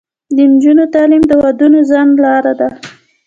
د نجونو تعلیم د ودونو ځنډ لاره ده.